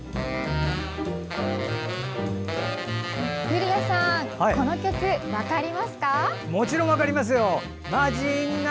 古谷さん、この曲分かりますか？